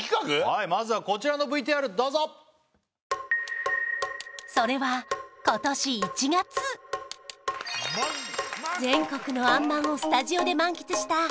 はいまずはこちらのＶＴＲどうぞそれは今年１月全国のあんまんをスタジオで満喫した